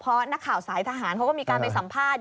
เพราะนักข่าวสายทหารเขาก็มีการไปสัมภาษณ์